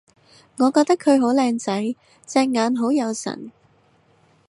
我覺得佢好靚仔！隻眼好有神